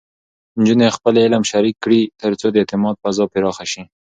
نجونې خپل علم شریک کړي، ترڅو د اعتماد فضا پراخه شي.